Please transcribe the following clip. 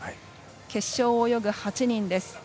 決勝を泳ぐ８人です。